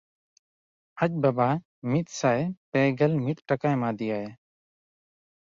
ᱟᱡ ᱵᱟᱵᱟ ᱢᱤᱫᱥᱟᱭ ᱯᱮᱜᱮᱞ ᱢᱤᱫ ᱴᱟᱠᱟ ᱮᱢᱟ ᱫᱮᱭᱟᱭ᱾